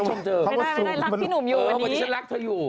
ไม่ได้รักที่หนุ่มอยู่วันนี้วันนี้ฉันรักเธออยู่